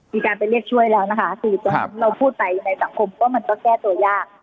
มีการไปเรียกช่วยแล้วนะคะคือตรงนั้นเราพูดไปในสังคมว่ามันก็แก้ตัวยาก